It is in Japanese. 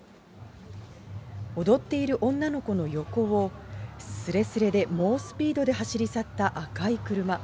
踊っている女の子の横をすれすれで猛スピードで走り去った赤い車。